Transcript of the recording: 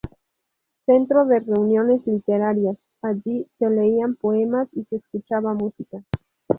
Centro de reuniones literarias, allí se leían poemas y se escuchaba música.